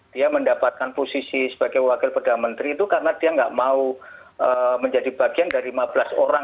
dia mendapatkan posisi sebagai wakil perdana menteri itu karena dia nggak mau menjadi bagian dari lima belas orang